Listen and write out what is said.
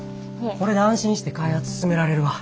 これで安心して開発進められるわ。